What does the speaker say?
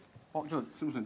すいません。